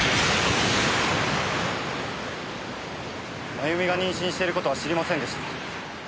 まゆみが妊娠してる事は知りませんでした。